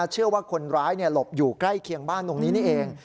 เชื่อว่าคนร้ายหลบอยู่ใกล้เคียงบ้านตรงนี้นี่เอง